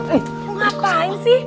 ih lu ngapain sih